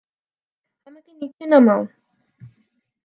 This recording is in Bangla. আমাকে নিচে নামাও!